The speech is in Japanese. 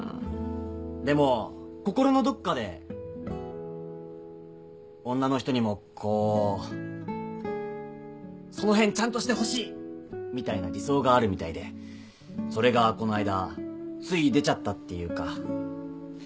でも心のどっかで女の人にもこうその辺ちゃんとしてほしいみたいな理想があるみたいでそれがこないだつい出ちゃったっていうか。